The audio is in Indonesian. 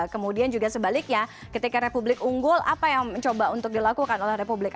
kemudian juga sebaliknya ketika republik unggul apa yang mencoba untuk dilakukan oleh republik